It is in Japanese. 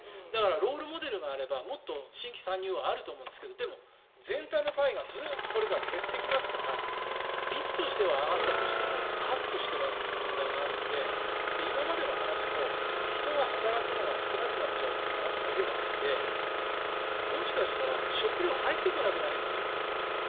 ロールモデルがあればもっと新規参入はあると思うんですがでも、全体のパイがずっとこれから減っていきますから率としては上がったとしても数としてはという問題があるので今までの話も人が働くのが少なくなっちゃうという話だけじゃなくてもしかしたら、食料入ってこなくなりますよと。